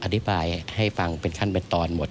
อธิบายให้ฟังทั้งขั้นหมด